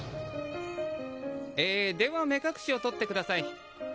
えーでは目隠しを取ってください。